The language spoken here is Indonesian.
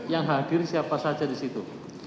yang hadir siapa saja di situ